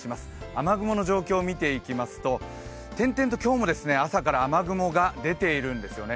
雨雲の状況を見ていきますと、点々と今日も朝から雨雲が出ているんですよね。